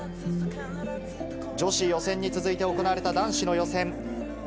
女子予選に続いて行われた男子の予選。